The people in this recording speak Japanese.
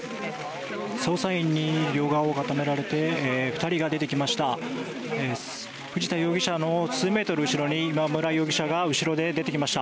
捜査員に両側を固められて２人が出てきました。